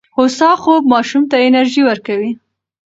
هوسا خوب ماشوم ته انرژي ورکوي.